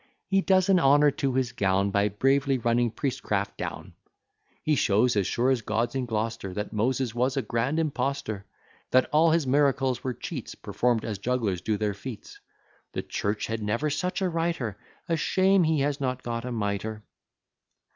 He does an honour to his gown, By bravely running priestcraft down: He shows, as sure as God's in Gloucester, That Moses was a grand impostor; That all his miracles were cheats, Perform'd as jugglers do their feats: The church had never such a writer; A shame he has not got a mitre!"